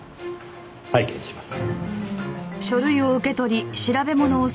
拝見します。